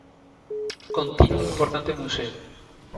Contiene un importante museo.